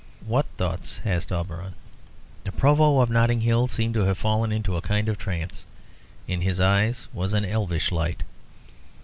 "What thoughts?" asked Auberon. The Provost of Notting Hill seemed to have fallen into a kind of trance; in his eyes was an elvish light.